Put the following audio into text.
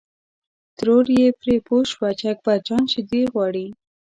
ترور یې پرې پوه شوه چې اکبر جان شیدې غواړي.